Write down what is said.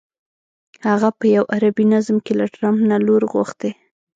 هغه په یوه عربي نظم کې له ټرمپ نه لور غوښتې.